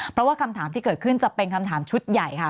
เพราะว่าคำถามที่เกิดขึ้นจะเป็นคำถามชุดใหญ่ค่ะ